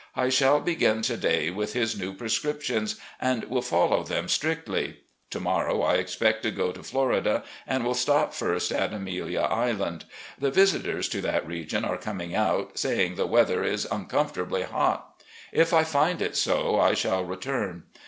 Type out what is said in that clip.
I shall begin to day with his new prescriptions and will follow them strictly. To morrow I expect to go to Florida, and will stop first at Amelia Island. The visitors to that region are coming out, saying the weather is uncomfortably hot. If I find it so, I shall return.